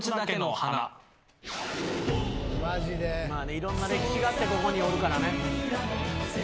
いろんな歴史があってここにおるからね。